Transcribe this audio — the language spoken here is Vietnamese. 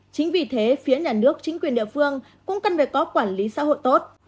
chính vì thế phía nhà nước chính quyền địa phương cũng cần phải có quản lý xã hội tốt